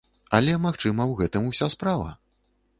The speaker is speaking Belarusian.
Але, магчыма, у гэтым уся справа?